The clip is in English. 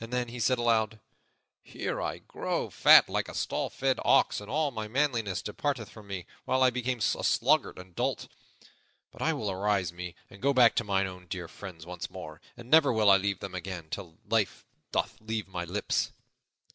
Then he said aloud, "Here I grow fat like a stall fed ox and all my manliness departeth from me while I become a sluggard and dolt. But I will arouse me and go back to mine own dear friends once more, and never will I leave them again till life doth leave my lips."